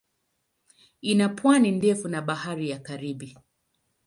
Ina pwani ndefu na Bahari ya Karibi.